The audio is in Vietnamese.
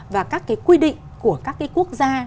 và các cái quy định của các cái quốc gia